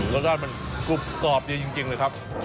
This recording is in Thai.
รสชาติมันกรุบกรอบเดียวจริงเลยครับ